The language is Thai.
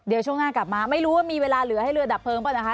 เดี๋ยวช่วงหน้ากลับมาไม่รู้ว่ามีเวลาเหลือให้เรือดับเพลิงเปล่านะคะ